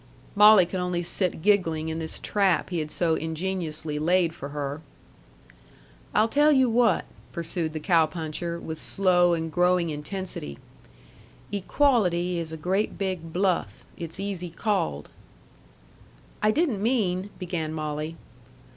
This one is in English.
Molly could only sit giggling in this trap he had so ingeniously laid for her. "I'll tell you what," pursued the cow puncher, with slow and growing intensity, "equality is a great big bluff. It's easy called." "I didn't mean " began Molly.